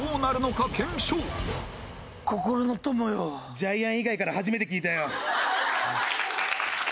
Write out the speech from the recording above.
ジャイアン以外から初めて聞いたよ。